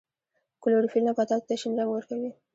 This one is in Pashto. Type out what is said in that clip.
کلوروفیل نباتاتو ته شین رنګ ورکوي